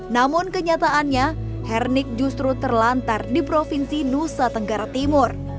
namun kenyataannya hernik justru terlantar di provinsi nusa tenggara timur